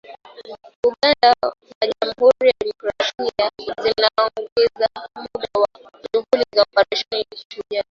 Uganda na Jamhuri ya Kidemokrasia zimeongeza muda wa shughuli za Operesheni Shujaa